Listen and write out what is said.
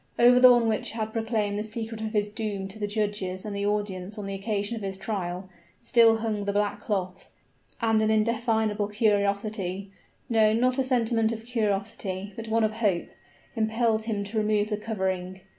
Over the one which had proclaimed the secret of his doom to the judges and the audience on the occasion of his trial, still hung the black cloth; and an undefinable curiosity no, not a sentiment of curiosity, but one of hope impelled him to remove the covering.